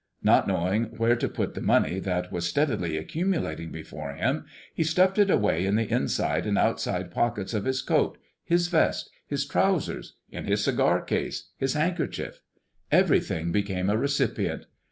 Not knowing where to put the money that was steadily accumulating before him, he stuffed it away in the inside and outside pockets of his coat, his vest, his trousers, in his cigar case, his handkerchief. Everything became a recipient.